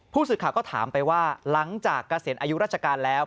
ผู้สื่อข่าวก็ถามไปว่าหลังจากเกษียณอายุราชการแล้ว